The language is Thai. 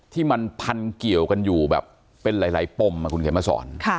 ที่มันพันเกี่ยวกันอยู่แบบเป็นหลายปมคุณเขียนมาสอน